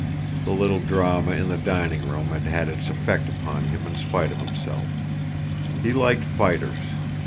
The little drama in the dining room had had its effect upon him in spite of himself. He liked fighters.